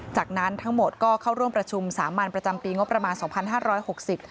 จากนั้นทั้งหมดก็เข้าร่วมประชุม๓มันประจำปีงบประมาณ๒๕๖๐บาท